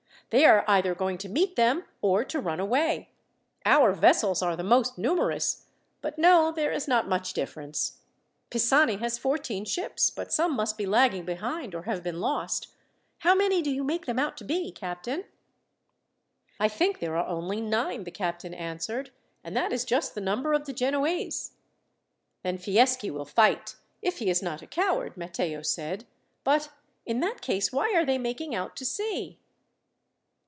They are either going to meet them or to run away. Our vessels are the most numerous; but no, there is not much difference. Pisani has fourteen ships, but some must be lagging behind, or have been lost. How many do you make them out to be, captain?" "I think there are only nine," the captain answered, "and that is just the number of the Genoese." "Then Fieschi will fight, if he is not a coward," Matteo said; "but, in that case, why are they making out to sea?"